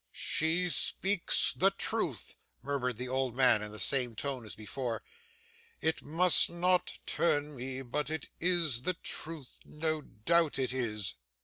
'She speaks the truth,' murmured the old man in the same tone as before. 'It must not turn me, but it is the truth; no doubt it is.